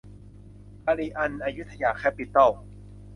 อลิอันซ์ อยุธยา แคปปิตอล